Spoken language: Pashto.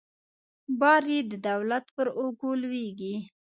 بار یې د دولت پر اوږو لویږي.